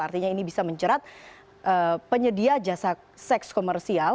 artinya ini bisa menjerat penyedia jasa seks komersial